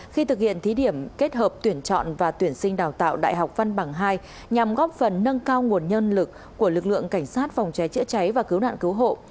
khi thực hiện thí điểm kết hợp tuyển chọn và tuyển sinh đào tạo đại học văn bằng hai nhằm góp phần nâng cao nguồn nhân lực của lực lượng cảnh sát phòng cháy chữa cháy và cứu nạn cứu hộ